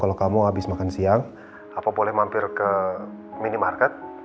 kalau kamu habis makan siang apa boleh mampir ke minimarket